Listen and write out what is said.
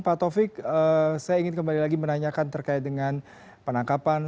pak taufik saya ingin kembali lagi menanyakan terkait dengan penangkapan